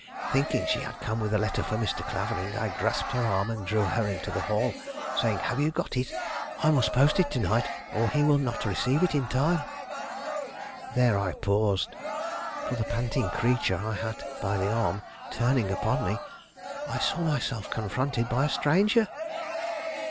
Thinking she had come with a letter for Mr. Clavering, I grasped her arm and drew her into the hall, saying, "Have you got it? I must post it to night, or he will not receive it in time." There I paused, for, the panting creature I had by the arm turning upon me, I saw myself confronted by a stranger.